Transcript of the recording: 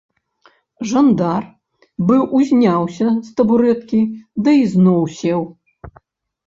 Жандар быў узняўся з табурэткі ды ізноў сеў.